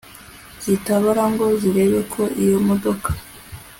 zitabara ngo zirebe ko iyo modoka